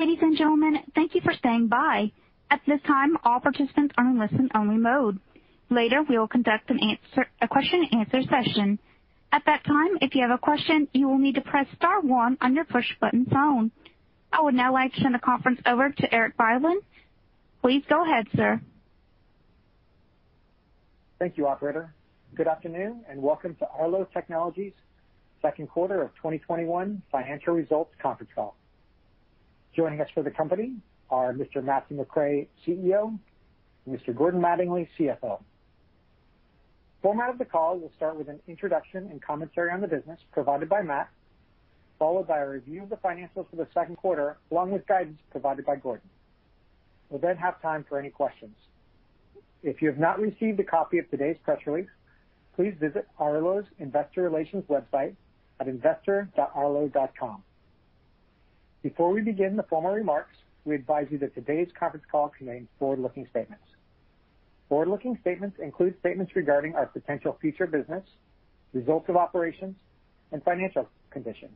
Ladies and gentlemen, thank you for standing by. I would now like to turn the conference over to Erik Bylin. Please go ahead, sir. Thank you, operator. Good afternoon, welcome to Arlo Technologies' second quarter of 2021 financial results conference call. Joining us for the company are Mr. Matthew McRae, CEO, and Mr. Gordon Mattingly, CFO. Format of the call, we'll start with an introduction and commentary on the business provided by Matt, followed by a review of the financials for the second quarter, along with guidance provided by Gordon. We'll have time for any questions. If you have not received a copy of today's press release, please visit Arlo's investor relations website at investor.arlo.com. Before we begin the formal remarks, we advise you that today's conference call contains forward-looking statements. Forward-looking statements include statements regarding our potential future business, results of operations, and financial condition,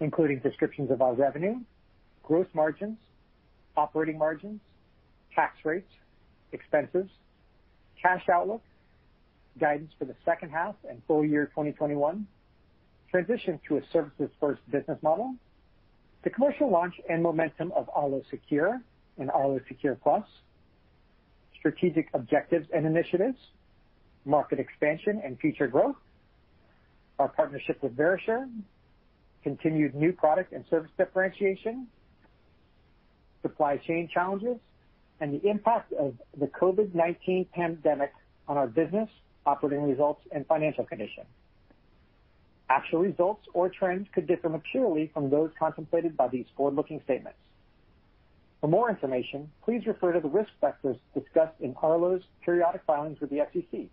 including descriptions of our revenue, gross margins, operating margins, tax rates, expenses, cash outlook, guidance for the second half and full year 2021, transition to a services first business model, the commercial launch and momentum of Arlo Secure and Arlo Secure Plus, strategic objectives and initiatives, market expansion and future growth, our partnership with Verisure, continued new product and service differentiation, supply chain challenges, and the impact of the COVID-19 pandemic on our business, operating results, and financial condition. Actual results or trends could differ materially from those contemplated by these forward-looking statements. For more information, please refer to the risk factors discussed in Arlo's periodic filings with the SEC,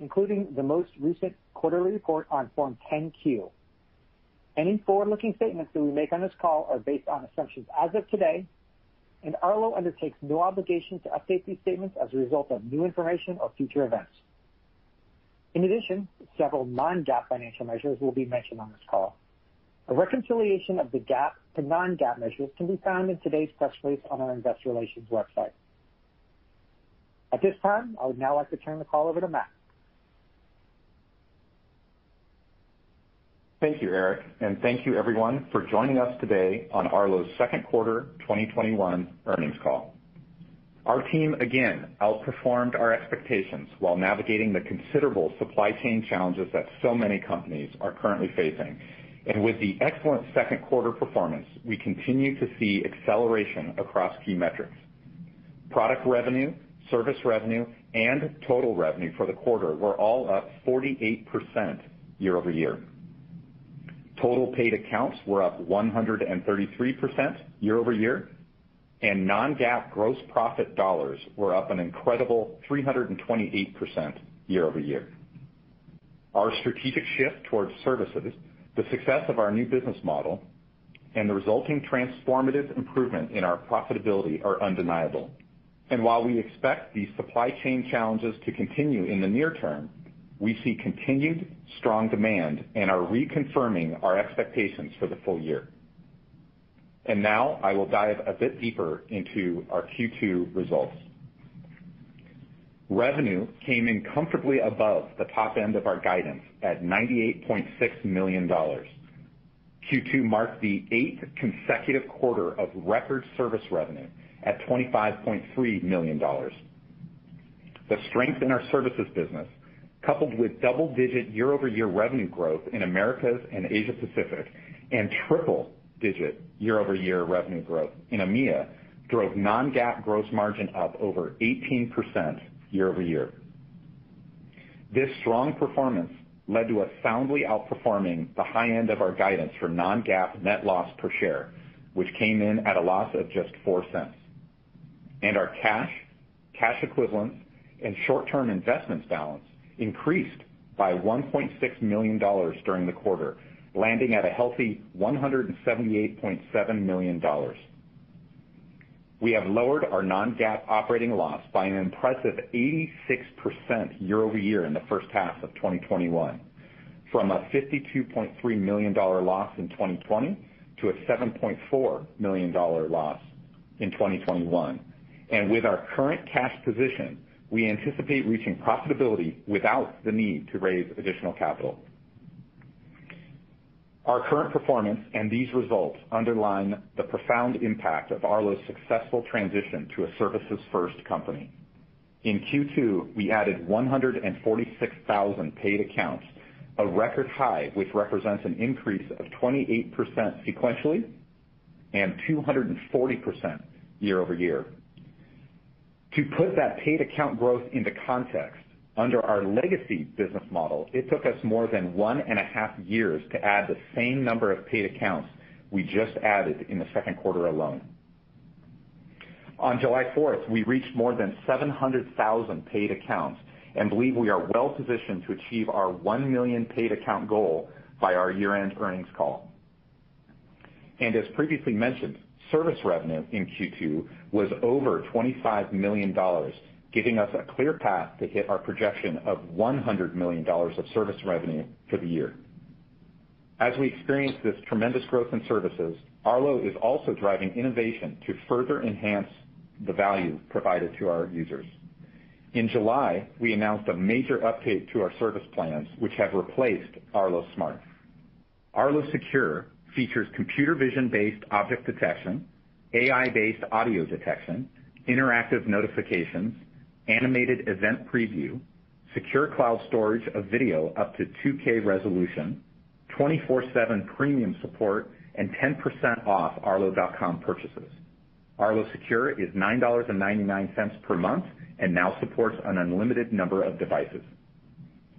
including the most recent quarterly report on Form 10-Q. Any forward-looking statements that we make on this call are based on assumptions as of today, and Arlo undertakes no obligation to update these statements as a result of new information or future events. In addition, several Non-GAAP financial measures will be mentioned on this call. A reconciliation of the GAAP to Non-GAAP measures can be found in today's press release on our investor relations website. At this time, I would now like to turn the call over to Matt. Thank you, Erik, and thank you everyone for joining us today on Arlo's second quarter 2021 earnings call. Our team again outperformed our expectations while navigating the considerable supply chain challenges that so many companies are currently facing. With the excellent second quarter performance, we continue to see acceleration across key metrics. Product revenue, service revenue, and total revenue for the quarter were all up 48% year-over-year. Total paid accounts were up 133% year-over-year, and Non-GAAP gross profit dollars were up an incredible 328% year-over-year. Our strategic shift towards services, the success of our new business model, and the resulting transformative improvement in our profitability are undeniable. While we expect these supply chain challenges to continue in the near term, we see continued strong demand and are reconfirming our expectations for the full year. Now I will dive a bit deeper into our Q2 results. Revenue came in comfortably above the top end of our guidance at $98.6 million. Q2 marked the 8th consecutive quarter of record service revenue at $25.3 million. The strength in our services business, coupled with double-digit year-over-year revenue growth in Americas and Asia Pacific, and triple digit year-over-year revenue growth in EMEA, drove Non-GAAP gross margin up over 18% year-over-year. This strong performance led to us soundly outperforming the high end of our guidance for Non-GAAP net loss per share, which came in at a loss of just $0.04. Our cash equivalents, and short-term investments balance increased by $1.6 million during the quarter, landing at a healthy $178.7 million. We have lowered our Non-GAAP operating loss by an impressive 86% year-over-year in the first half of 2021, from a $52.3 million loss in 2020 to a $7.4 million loss in 2021. With our current cash position, we anticipate reaching profitability without the need to raise additional capital. Our current performance and these results underline the profound impact of Arlo's successful transition to a services first company. In Q2, we added 146,000 paid accounts, a record high, which represents an increase of 28% sequentially and 240% year-over-year. To put that paid account growth into context, under our legacy business model, it took us more than one and a half years to add the same number of paid accounts we just added in the second quarter alone. On July fourth, we reached more than 700,000 paid accounts and believe we are well positioned to achieve our 1 million paid account goal by our year-end earnings call. As previously mentioned, service revenue in Q2 was over $25 million, giving us a clear path to hit our projection of $100 million of service revenue for the year. As we experience this tremendous growth in services, Arlo is also driving innovation to further enhance the value provided to our users. In July, we announced a major update to our service plans, which have replaced Arlo Smart. Arlo Secure features computer vision-based object detection, AI-based audio detection, interactive notifications, animated event preview, secure cloud storage of video up to 2K resolution, 24/7 premium support, and 10% off arlo.com purchases. Arlo Secure is $9.99 per month and now supports an unlimited number of devices.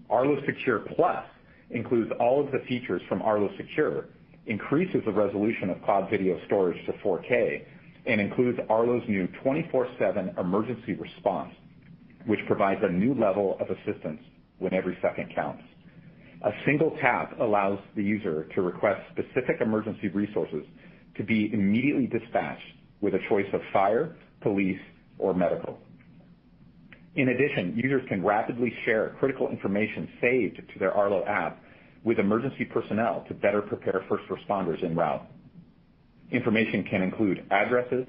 Arlo Secure Plus includes all of the features from Arlo Secure, increases the resolution of cloud video storage to 4K, and includes Arlo's new 24/7 emergency response, which provides a new level of assistance when every second counts. A one tap allows the user to request specific emergency resources to be immediately dispatched with a choice of fire, police, or medical. In addition, users can rapidly share critical information saved to their Arlo app with emergency personnel to better prepare first responders en route. Information can include addresses,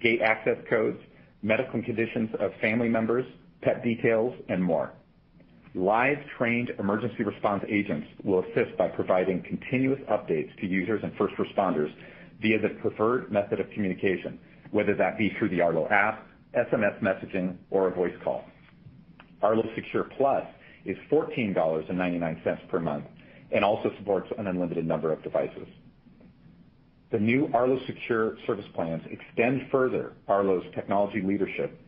gate access codes, medical conditions of family members, pet details, and more. Live trained emergency response agents will assist by providing continuous updates to users and first responders via the preferred method of communication, whether that be through the Arlo app, SMS messaging, or a voice call. Arlo Secure Plus is $14.99 per month and also supports an unlimited number of devices. The new Arlo Secure service plans extend further Arlo's technology leadership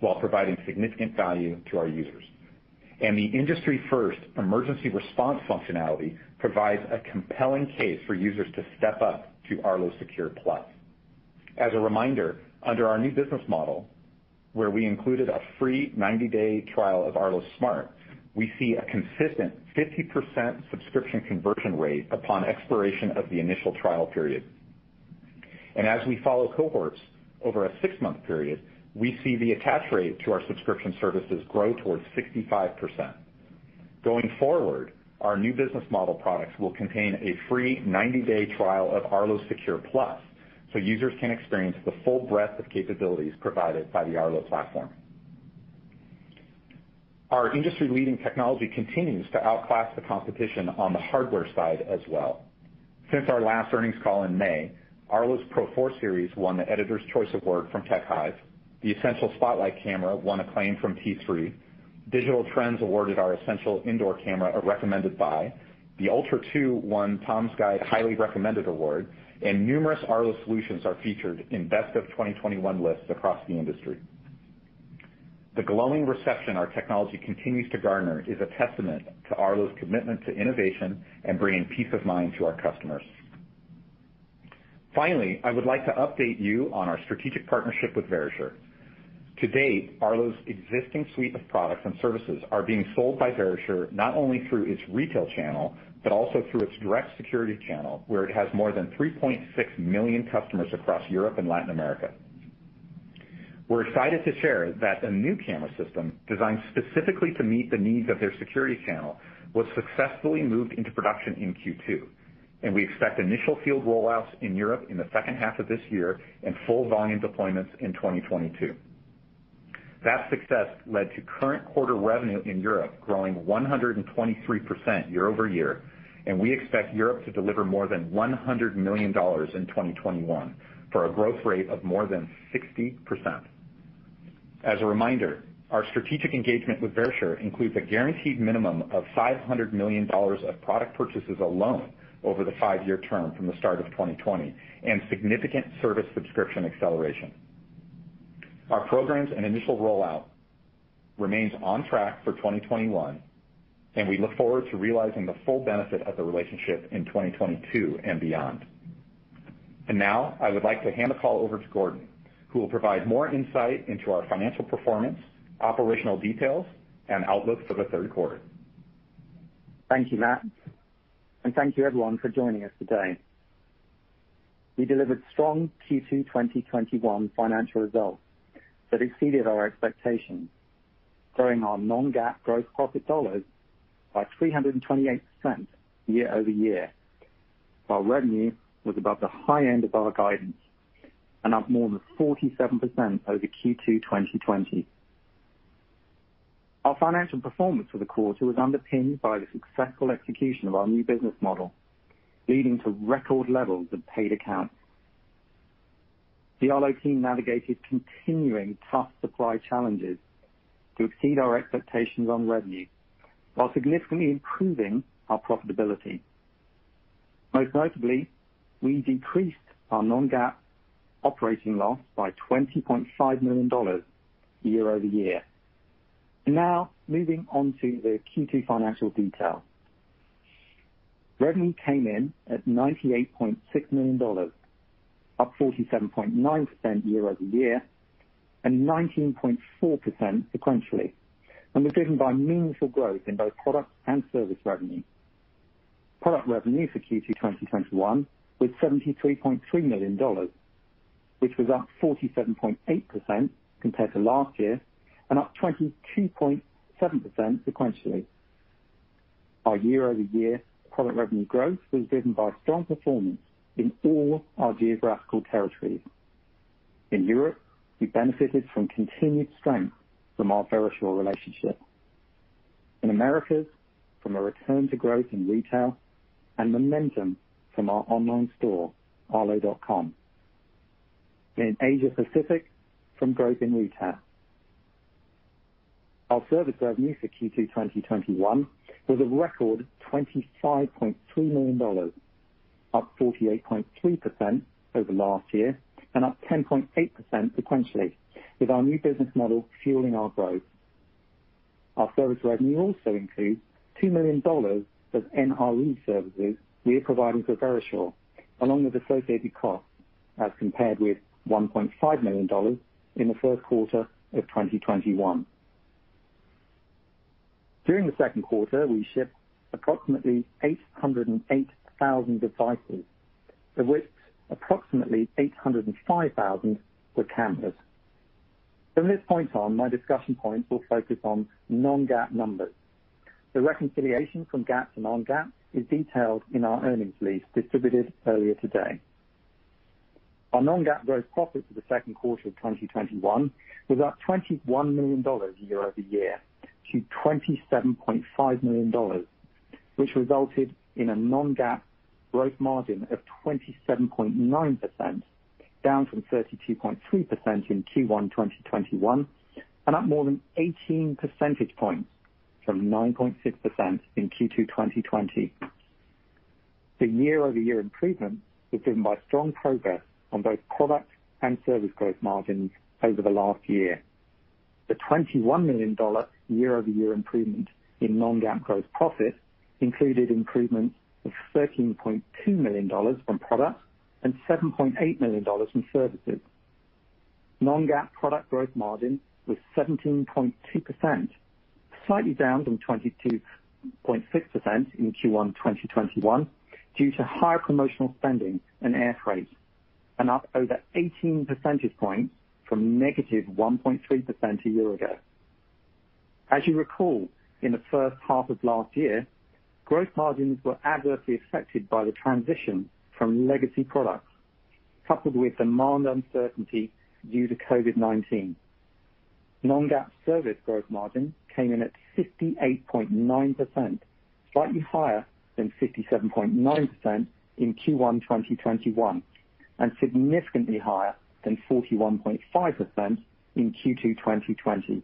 while providing significant value to our users. The industry-first emergency response functionality provides a compelling case for users to step up to Arlo Secure Plus. As a reminder, under our new business model, where we included a free 90-day trial of Arlo Smart, we see a consistent 50% subscription conversion rate upon expiration of the initial trial period. As we follow cohorts over a 6-month period, we see the attach rate to our subscription services grow towards 65%. Going forward, our new business model products will contain a free 90-day trial of Arlo Secure Plus, so users can experience the full breadth of capabilities provided by the Arlo platform. Our industry-leading technology continues to outclass the competition on the hardware side as well. Since our last earnings call in May, Arlo's Pro 4 Series won the Editor's Choice Award from TechHive. The Essential Spotlight Camera won acclaim from T3. Digital Trends awarded our Essential Indoor Camera a Recommended By. The Ultra 2 won Tom's Guide Highly Recommended Award, and numerous Arlo solutions are featured in Best of 2021 lists across the industry. The glowing reception our technology continues to garner is a testament to Arlo's commitment to innovation and bringing peace of mind to our customers. Finally, I would like to update you on our strategic partnership with Verisure. To date, Arlo's existing suite of products and services are being sold by Verisure not only through its retail channel, but also through its direct security channel, where it has more than 3.6 million customers across Europe and Latin America. We're excited to share that a new camera system designed specifically to meet the needs of their security channel was successfully moved into production in Q2. We expect initial field rollouts in Europe in the second half of this year and full volume deployments in 2022. That success led to current quarter revenue in Europe growing 123% year-over-year. We expect Europe to deliver more than $100 million in 2021, for a growth rate of more than 60%. As a reminder, our strategic engagement with Verisure includes a guaranteed minimum of $500 million of product purchases alone over the 5-year term from the start of 2020 and significant service subscription acceleration. Our programs and initial rollout remains on track for 2021. We look forward to realizing the full benefit of the relationship in 2022 and beyond. Now, I would like to hand the call over to Gordon, who will provide more insight into our financial performance, operational details, and outlook for the third quarter. Thank you, Matt. Thank you, everyone, for joining us today. We delivered strong Q2 2021 financial results that exceeded our expectations, growing our Non-GAAP gross profit dollars by 328% year-over-year, while revenue was above the high end of our guidance and up more than 47% over Q2 2020. Our financial performance for the quarter was underpinned by the successful execution of our new business model, leading to record levels of paid accounts. The Arlo team navigated continuing tough supply challenges to exceed our expectations on revenue while significantly improving our profitability. Most notably, we decreased our Non-GAAP operating loss by $20.5 million year-over-year. Now moving on to the Q2 financial detail. Revenue came in at $98.6 million, up 47.9% year-over-year and 19.4% sequentially, and was driven by meaningful growth in both product and service revenue. Product revenue for Q2 2021 was $73.3 million, which was up 47.8% compared to last year, and up 22.7% sequentially. Our year-over-year product revenue growth was driven by strong performance in all our geographical territories. In Europe, we benefited from continued strength from our Verisure relationship, in Americas, from a return to growth in retail and momentum from our online store, arlo.com, in Asia Pacific, from growth in retail. Our service revenue for Q2 2021 was a record $25.3 million, up 48.3% over last year, and up 10.8% sequentially, with our new business model fueling our growth. Our service revenue also includes $2 million of NRE services we are providing for Verisure, along with associated costs, as compared with $1.5 million in the first quarter of 2021. During the second quarter, we shipped approximately 808,000 devices, of which approximately 805,000 were cameras. From this point on, my discussion points will focus on Non-GAAP numbers. The reconciliation from GAAP to Non-GAAP is detailed in our earnings release distributed earlier today. Our Non-GAAP gross profit for the second quarter of 2021 was up $21 million year-over-year to $27.5 million, which resulted in a Non-GAAP gross margin of 27.9%, down from 32.3% in Q1 2021, and up more than 18 percentage points from 9.6% in Q2 2020. The year-over-year improvement was driven by strong progress on both product and service gross margins over the last year. The $21 million year-over-year improvement in Non-GAAP gross profit included improvements of $13.2 million from product and $7.8 million from services. Non-GAAP product gross margin was 17.2%, slightly down from 22.6% in Q1 2021, due to higher promotional spending and air freight, and up over 18 percentage points from negative 1.3% a year ago. As you recall, in the first half of last year, gross margins were adversely affected by the transition from legacy products, coupled with demand uncertainty due to COVID-19. Non-GAAP service gross margin came in at 58.9%, slightly higher than 57.9% in Q1 2021, and significantly higher than 41.5% in Q2 2020.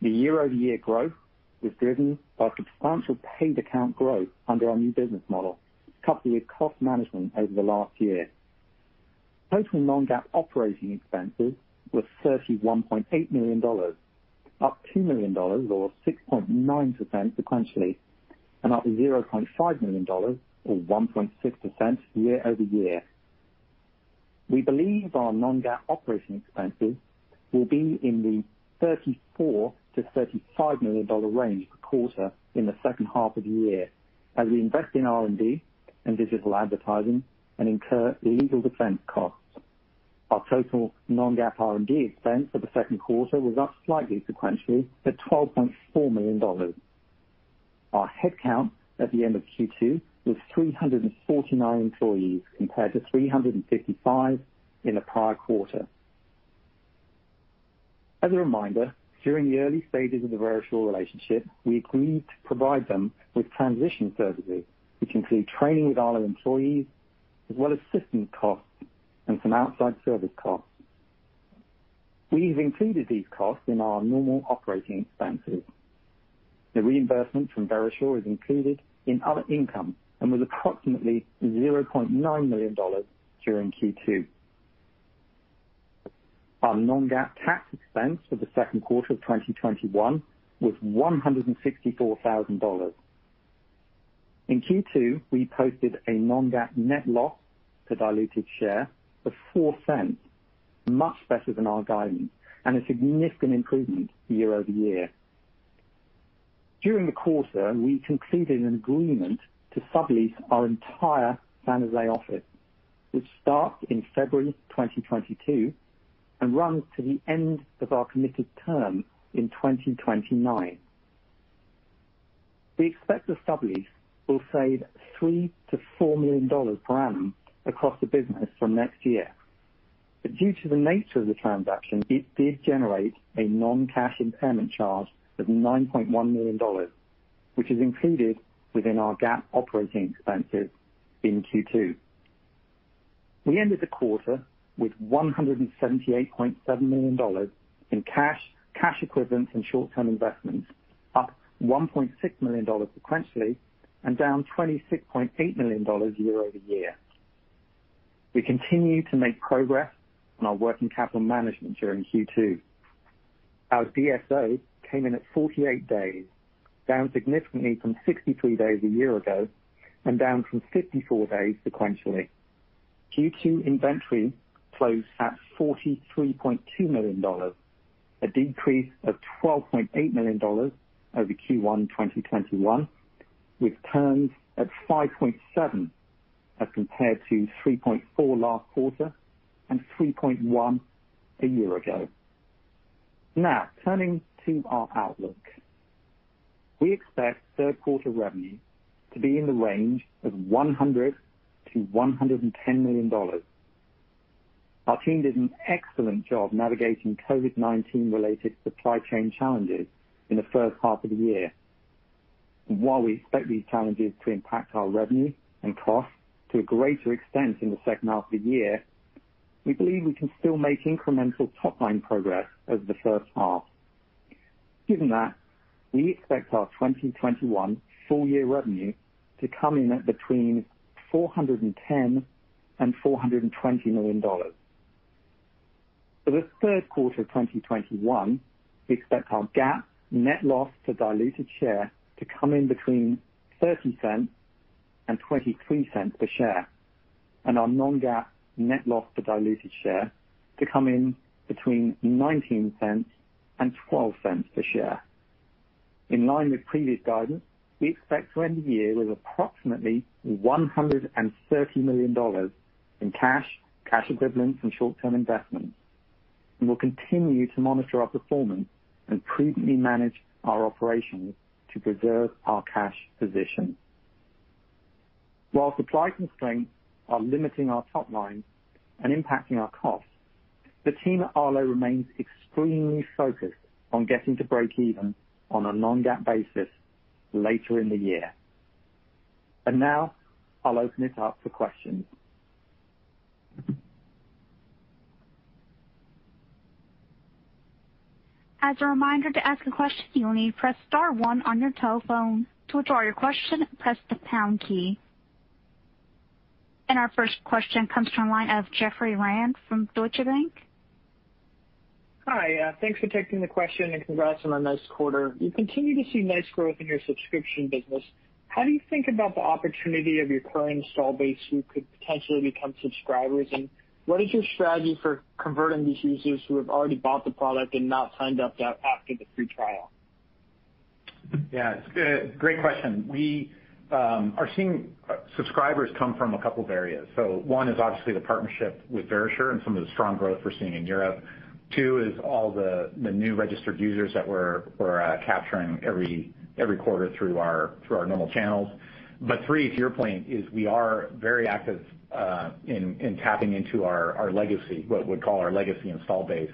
The year-over-year growth was driven by substantial paid account growth under our new business model, coupled with cost management over the last year. Total Non-GAAP operating expenses were $31.8 million, up $2 million or 6.9% sequentially, and up $0.5 million or 1.6% year-over-year. We believe our Non-GAAP operating expenses will be in the $34 million-$35 million range per quarter in the second half of the year, as we invest in R&D and digital advertising and incur legal defense costs. Our total Non-GAAP R&D expense for the second quarter was up slightly sequentially to $12.4 million. Our head count at the end of Q2 was 349 employees, compared to 355 in the prior quarter. As a reminder, during the early stages of the Verisure relationship, we agreed to provide them with transition services, which include training with Arlo employees, as well as system costs and some outside service costs. We've included these costs in our normal operating expenses. The reimbursement from Verisure is included in other income, and was approximately $0.9 million during Q2. Our Non-GAAP tax expense for the second quarter of 2021 was $164,000. In Q2, we posted a Non-GAAP net loss to diluted share of $0.04, much better than our guidance, and a significant improvement year-over-year. During the quarter, we concluded an agreement to sublease our entire San Jose office, which starts in February 2022 and runs to the end of our committed term in 2029. We expect the sublease will save $3 million-$4 million per annum across the business from next year. Due to the nature of the transaction, it did generate a non-cash impairment charge of $9.1 million, which is included within our GAAP operating expenses in Q2. We ended the quarter with $178.7 million in cash equivalents, and short-term investments, up $1.6 million sequentially and down $26.8 million year-over-year. We continue to make progress on our working capital management during Q2. Our DSO came in at 48 days, down significantly from 63 days a year ago, and down from 54 days sequentially. Q2 inventory closed at $43.2 million, a decrease of $12.8 million over Q1 2021, with turns at 5.7 as compared to 3.4 last quarter and 3.1 a year ago. Turning to our outlook. We expect third quarter revenue to be in the range of $100 million-$110 million. Our team did an excellent job navigating COVID-19 related supply chain challenges in the first half of the year. While we expect these challenges to impact our revenue and costs to a greater extent in the second half of the year, we believe we can still make incremental top-line progress over the first half. Given that, we expect our 2021 full year revenue to come in at between $410 million and $420 million. For the third quarter 2021, we expect our GAAP net loss for diluted share to come in between $0.30 and $0.23 per share, and our Non-GAAP net loss for diluted share to come in between $0.19 and $0.12 per share. In line with previous guidance, we expect to end the year with approximately $130 million in cash equivalents, and short-term investments. We will continue to monitor our performance and prudently manage our operations to preserve our cash position. While supply constraints are limiting our top line and impacting our costs, the team at Arlo remains extremely focused on getting to break even on a Non-GAAP basis later in the year. Now I'll open it up for questions. As a reminder, to ask a question, you'll need to press * one on your telephone. To withdraw your question, press the # key. Our first question comes from the line of Jeffrey Rand from Deutsche Bank. Hi. Thanks for taking the question and congrats on a nice quarter. You continue to see nice growth in your subscription business. How do you think about the opportunity of your current install base who could potentially become subscribers? What is your strategy for converting these users who have already bought the product and not signed up after the free trial? Yeah, it's a great question. We are seeing subscribers come from a couple of areas. One is obviously the partnership with Verisure and some of the strong growth we're seeing in Europe. 2 is all the new registered users that we're capturing every quarter through our normal channels. 3, to your point, is we are very active in tapping into our legacy, what we'd call our legacy install base.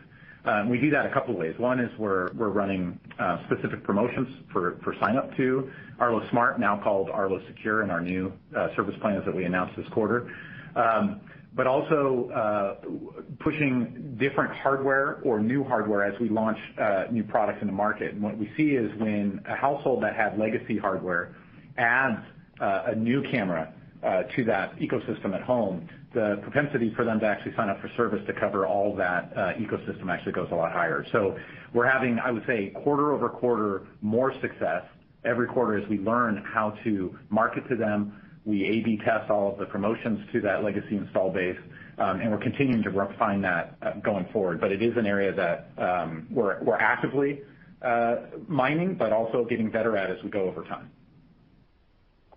We do that a couple of ways. 1 is we're running specific promotions for sign up to Arlo Smart, now called Arlo Secure, and our new service plans that we announced this quarter. Also pushing different hardware or new hardware as we launch new products in the market. What we see is when a household that had legacy hardware adds a new camera to that ecosystem at home, the propensity for them to actually sign up for service to cover all that ecosystem actually goes a lot higher. We're having, I would say, quarter-over-quarter more success every quarter as we learn how to market to them. We A/B test all of the promotions to that legacy install base, and we're continuing to refine that going forward. It is an area that we're actively mining, but also getting better at as we go over time.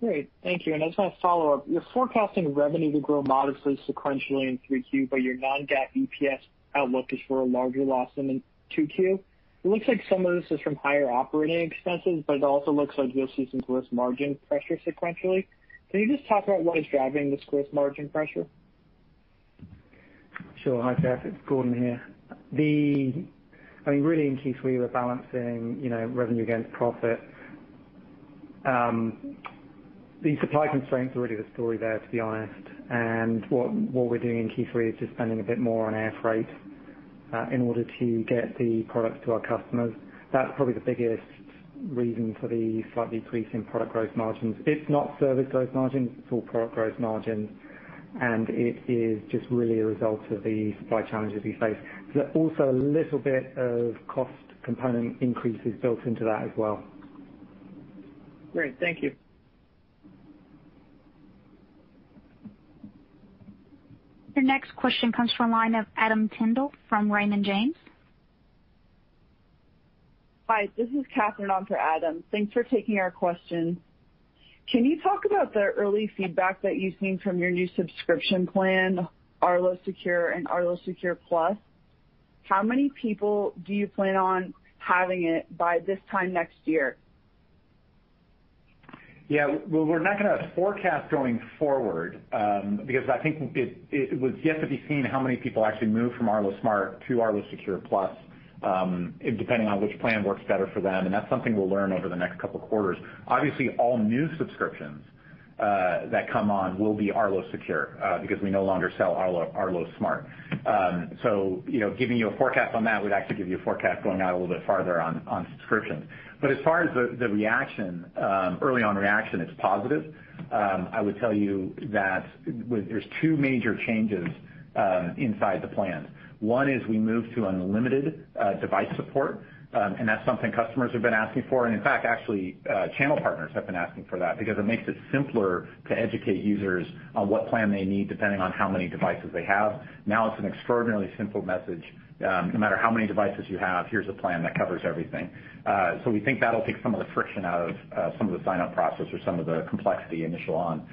Great. Thank you. I just want to follow up. You're forecasting revenue to grow modestly sequentially in Q3, but your Non-GAAP EPS outlook is for a larger loss than in Q2. It looks like some of this is from higher operating expenses, but it also looks like you'll see some gross margin pressure sequentially. Can you just talk about what is driving this gross margin pressure? Sure. Hi, Jeff, it's Gordon here. Really in Q3, we're balancing revenue against profit. The supply constraints are really the story there, to be honest. What we're doing in Q3 is just spending a bit more on air freight in order to get the products to our customers. That's probably the biggest reason for the slight decrease in product gross margins. It's not service gross margins, it's all product gross margins, and it is just really a result of the supply challenges we face. There's also a little bit of cost component increases built into that as well. Great. Thank you. Your next question comes from the line of Adam Tindle from Raymond James. Hi, this is Catherine on for Adam. Thanks for taking our question. Can you talk about the early feedback that you've seen from your new subscription plan, Arlo Secure and Arlo Secure Plus? How many people do you plan on having it by this time next year? Yeah. Well, we're not going to forecast going forward, because I think it was yet to be seen how many people actually move from Arlo Smart to Arlo Secure Plus, depending on which plan works better for them, and that's something we'll learn over the next couple of quarters. Obviously, all new subscriptions that come on will be Arlo Secure, because we no longer sell Arlo Smart. Giving you a forecast on that would actually give you a forecast going out a little bit farther on subscriptions. As far as the early on reaction, it's positive. I would tell you that there's 2 major changes inside the plan. One is we move to unlimited device support, and that's something customers have been asking for. In fact, actually, channel partners have been asking for that because it makes it simpler to educate users on what plan they need depending on how many devices they have. Now it's an extraordinarily simple message. No matter how many devices you have, here's a plan that covers everything. We think that'll take some of the friction out of some of the sign-up process or some of the complexity initial on.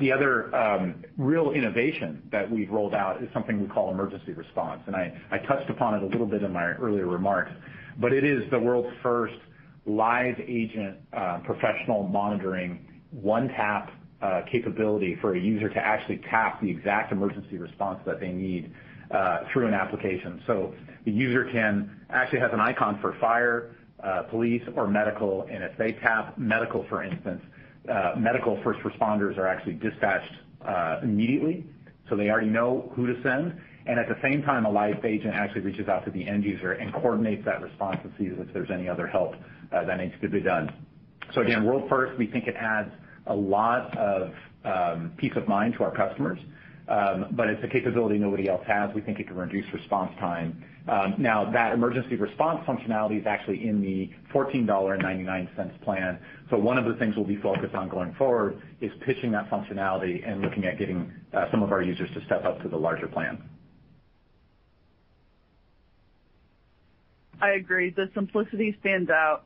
The other real innovation that we've rolled out is something we call Emergency Response, and I touched upon it a little bit in my earlier remarks, but it is the world's first live agent professional monitoring one-tap capability for a user to actually tap the exact Emergency Response that they need through an application. The user actually has an icon for fire, police, or medical, and if they tap medical, for instance, medical first responders are actually dispatched immediately, they already know who to send. At the same time, a live agent actually reaches out to the end user and coordinates that response and sees if there's any other help that needs to be done. Again, world first, we think it adds a lot of peace of mind to our customers, but it's a capability nobody else has. We think it can reduce response time. That emergency response functionality is actually in the $14.99 plan. One of the things we'll be focused on going forward is pitching that functionality and looking at getting some of our users to step up to the larger plan. I agree. The simplicity stands out.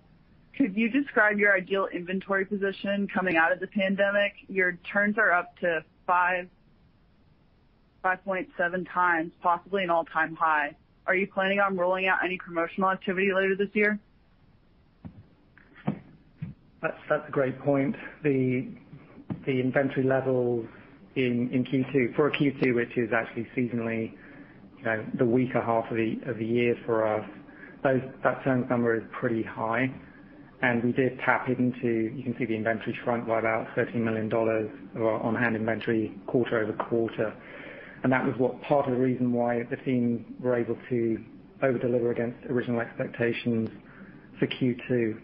Could you describe your ideal inventory position coming out of the pandemic? Your turns are up to 5.7 times, possibly an all-time high. Are you planning on rolling out any promotional activity later this year? That's a great point. The inventory levels for Q2, which is actually seasonally the weaker half of the year for us, that turn number is pretty high. You can see the inventory shrunk by about $13 million of our on-hand inventory quarter-over-quarter. That was what part of the reason why the team were able to over-deliver against original expectations for Q2.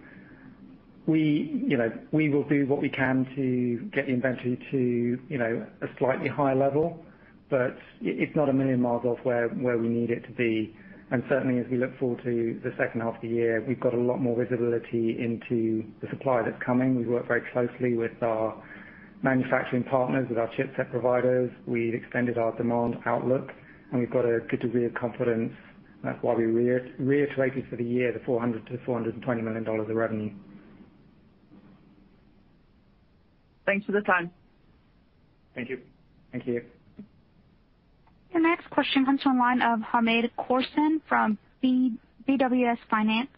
We will do what we can to get the inventory to a slightly higher level, but it's not a million miles off where we need it to be. Certainly, as we look forward to the second half of the year, we've got a lot more visibility into the supply that's coming. We work very closely with our manufacturing partners, with our chipset providers. We've extended our demand outlook, and we've got a good degree of confidence. That's why we reiterated for the year the $400 million-$420 million of revenue. Thanks for the time. Thank you. Thank you. Your next question comes on line of Hamed Khorsand from BWS Financial.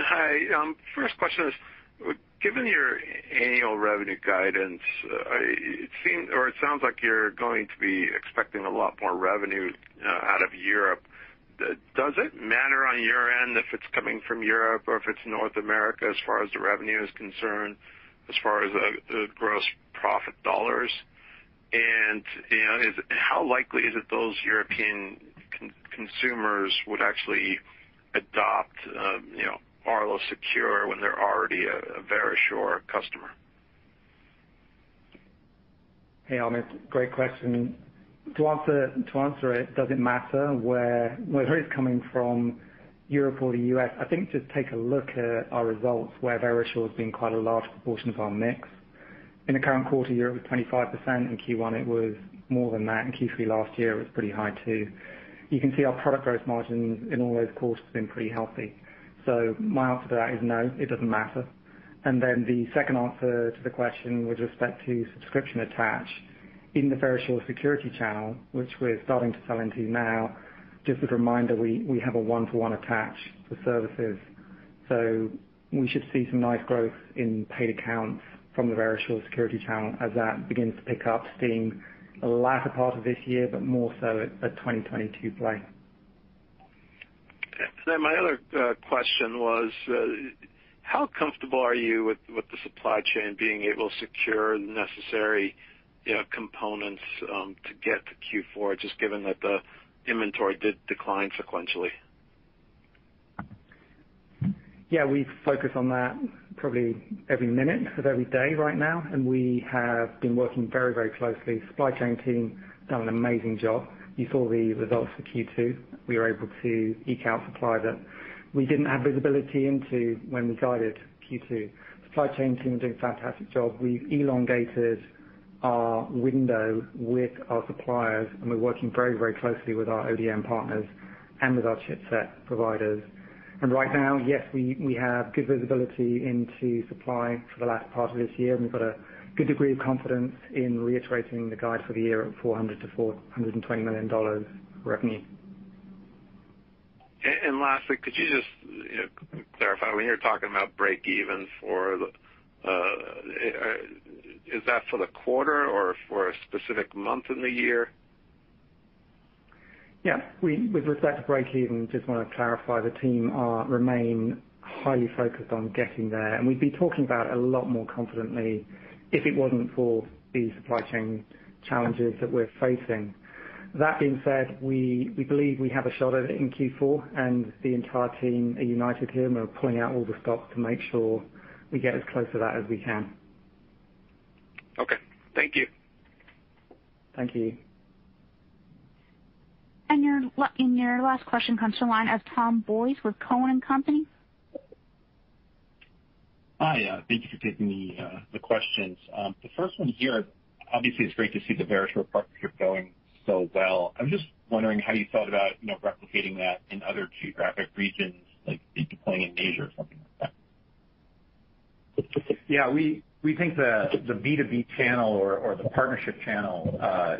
Hi. First question is, given your annual revenue guidance, it sounds like you're going to be expecting a lot more revenue out of Europe. Does it matter on your end if it's coming from Europe or if it's North America as far as the revenue is concerned, as far as the gross profit dollars? How likely is it those European consumers would actually adopt Arlo Secure when they're already a Verisure customer? Hey, Hamed, great question. To answer it, does it matter where it's coming from, Europe or the U.S.? I think just take a look at our results where Verisure has been quite a large proportion of our mix. In the current quarter year, it was 25%. In Q1, it was more than that. In Q3 last year, it was pretty high too. You can see our product growth margin in all those quarters has been pretty healthy. My answer to that is no, it doesn't matter. The second answer to the question with respect to subscription attach in the Verisure security channel, which we're starting to sell into now, just as a reminder, we have a one-to-one attach to services. We should see some nice growth in paid accounts from the Verisure security channel as that begins to pick up steam the latter part of this year, but more so a 2022 play. My other question was, how comfortable are you with the supply chain being able to secure the necessary components to get to Q4, just given that the inventory did decline sequentially? We focus on that probably every minute of every day right now, and we have been working very closely. Supply chain team done an amazing job. You saw the results for Q2. We were able to eke out supply that we didn't have visibility into when we guided Q2. Supply chain team doing a fantastic job. We've elongated our window with our suppliers, and we're working very closely with our ODM partners and with our chipset providers. Right now, yes, we have good visibility into supply for the last part of this year, and we've got a good degree of confidence in reiterating the guide for the year of $400 million-$420 million revenue. Lastly, could you just clarify, when you're talking about break even, is that for the quarter or for a specific month in the year? Yeah. With respect to break even, just want to clarify, the team remain highly focused on getting there, and we'd be talking about it a lot more confidently if it wasn't for the supply chain challenges that we're facing. That being said, we believe we have a shot at it in Q4, and the entire team are united here, and we're pulling out all the stops to make sure we get as close to that as we can. Okay. Thank you. Thank you. Your next question comes to the line of Thomas Boyes with Cowen and Company. Hi. Thank you for taking the questions. The first one here, obviously, it's great to see the Verisure partnership going so well. I'm just wondering how you thought about replicating that in other geographic regions, like deploying in Asia or something like that? Yeah, we think the B2B channel or the partnership channel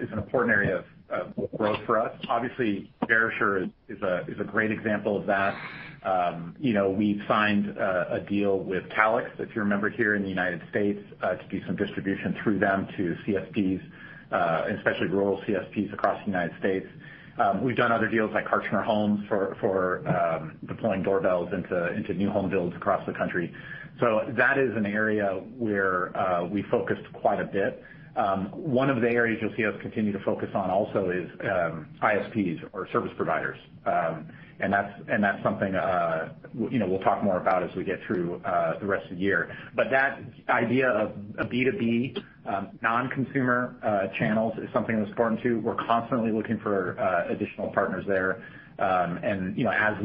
is an important area of growth for us. Obviously, Verisure is a great example of that. We signed a deal with Calix, if you remember, here in the U.S., to do some distribution through them to CSPs, especially rural CSPs across the U.S. We've done other deals like Kartchner Homes for deploying doorbells into new home builds across the country. That is an area where we focused quite a bit. One of the areas you'll see us continue to focus on also is ISPs or service providers. That's something we'll talk more about as we get through the rest of the year. That idea of a B2B non-consumer channels is something that's important, too. We're constantly looking for additional partners there. As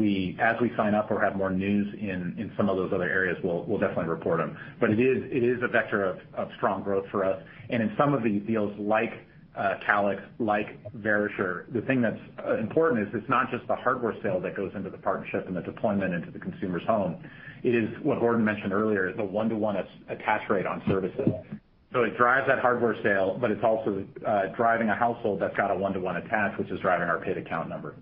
we sign up or have more news in some of those other areas, we'll definitely report them. It is a vector of strong growth for us. In some of the deals like Calix, like Verisure, the thing that's important is it's not just the hardware sale that goes into the partnership and the deployment into the consumer's home. It is what Gordon mentioned earlier, the one-to-one attach rate on services. It drives that hardware sale, but it's also driving a household that's got a one-to-one attach, which is driving our paid account number.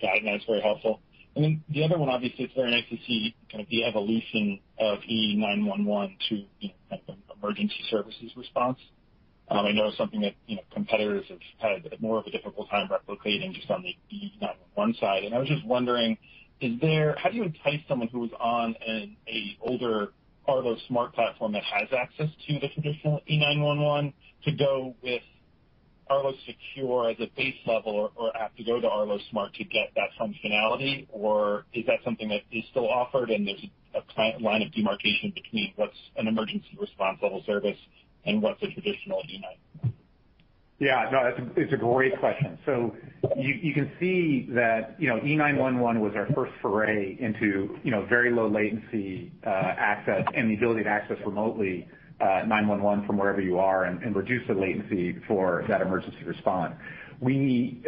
Got it. That's very helpful. The other one, obviously, it's very nice to see kind of the evolution of E911 to the Arlo Emergency Response. I know it's something that competitors have had a bit more of a difficult time replicating just on the E911 side. I was just wondering, how do you entice someone who is on an older Arlo Smart platform that has access to the traditional E911 to go with Arlo Secure as a base level or have to go to Arlo Smart to get that functionality? Is that something that is still offered and there's a line of demarcation between what's an emergency response level service and what's a traditional E911? Yeah, no, it's a great question. You can see that E911 was our first foray into very low latency access and the ability to access remotely 911 from wherever you are and reduce the latency for that emergency response. We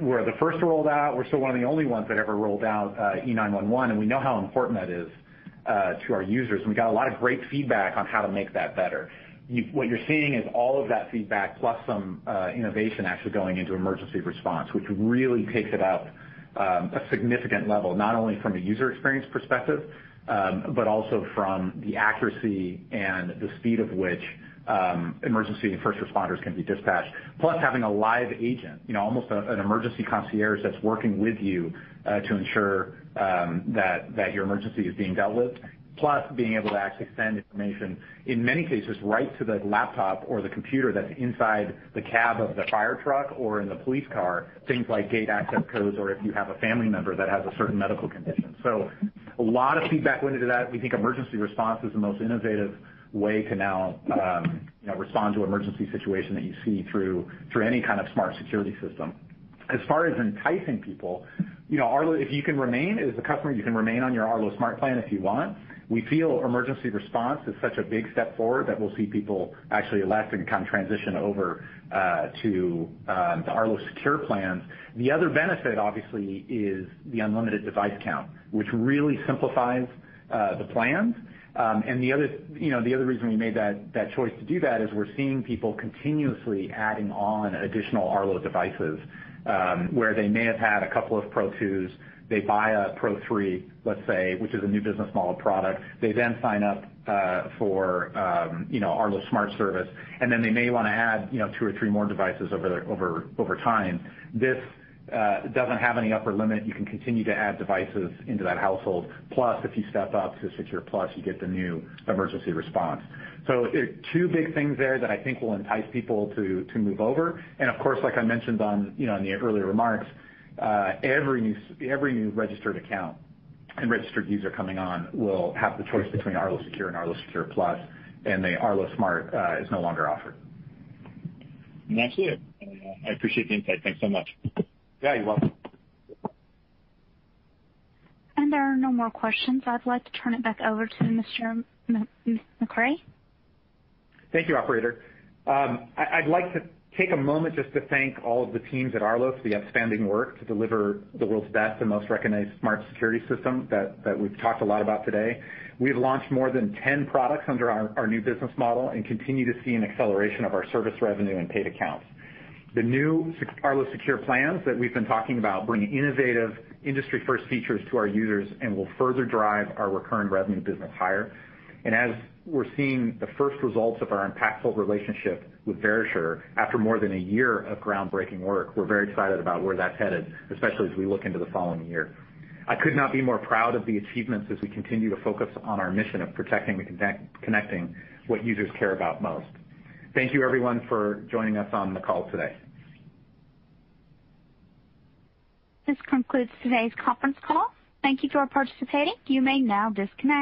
were the first to roll it out. We're still one of the only ones that ever rolled out E911, and we know how important that is to our users, and we got a lot of great feedback on how to make that better. What you're seeing is all of that feedback plus some innovation actually going into emergency response, which really takes it up a significant level, not only from a user experience perspective, but also from the accuracy and the speed of which emergency and first responders can be dispatched. Having a live agent, almost an emergency concierge that's working with you to ensure that your emergency is being dealt with, plus being able to actually send information, in many cases, right to the laptop or the computer that's inside the cab of the fire truck or in the police car, things like gate access codes or if you have a family member that has a certain medical condition. A lot of feedback went into that. We think Emergency Response is the most innovative way to now respond to emergency situation that you see through any kind of smart security system. As far as enticing people, as a customer, you can remain on your Arlo Smart plan if you want. We feel Emergency Response is such a big step forward that we'll see people actually elect and kind of transition over to the Arlo Secure plans. The other benefit, obviously, is the unlimited device count, which really simplifies the plans. The other reason we made that choice to do that is we're seeing people continuously adding on additional Arlo devices, where they may have had a couple of Pro 2s. They buy a Pro 3, let's say, which is a new business model product. They sign up for Arlo Smart service, and then they may want to add two or three more devices over time. This doesn't have any upper limit. You can continue to add devices into that household. If you step up to Secure Plus, you get the new emergency response. Two big things there that I think will entice people to move over. Of course, like I mentioned on the earlier remarks, every new registered account and registered user coming on will have the choice between Arlo Secure and Arlo Secure Plus, and the Arlo Smart is no longer offered. That's it. I appreciate the insight. Thanks so much. Yeah, you're welcome. There are no more questions. I'd like to turn it back over to Mr. McRae. Thank you, operator. I'd like to take a moment just to thank all of the teams at Arlo for the outstanding work to deliver the world's best and most recognized smart security system that we've talked a lot about today. We've launched more than 10 products under our new business model and continue to see an acceleration of our service revenue and paid accounts. The new Arlo Secure plans that we've been talking about bring innovative industry-first features to our users and will further drive our recurring revenue business higher. As we're seeing the first results of our impactful relationship with Verisure after more than a year of groundbreaking work, we're very excited about where that's headed, especially as we look into the following year. I could not be more proud of the achievements as we continue to focus on our mission of protecting and connecting what users care about most. Thank you, everyone, for joining us on the call today. This concludes today's conference call. Thank you for participating. You may now disconnect.